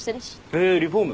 へぇリフォーム？